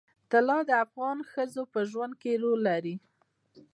طلا د افغان ښځو په ژوند کې رول لري.